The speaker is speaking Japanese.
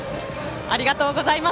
ありがとうございます。